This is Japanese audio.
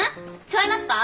違いますか？